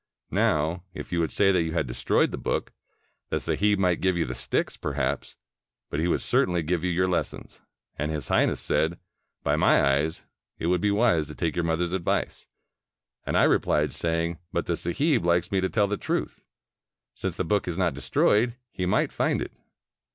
Now, if you would say that you had destroyed the book, the sahib might give you the sticks, perhaps, but he would certainly give you your lessons.' And His Highness said, 'By my eyes, it would be wise to take your mother's advice.' And I replied, saying, ' But the sahib likes me to tell the truth. Since the book is not destroyed, he might find it.